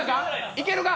いけるか？